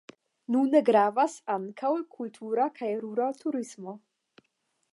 Nune gravas ankaŭ kultura kaj rura turismo.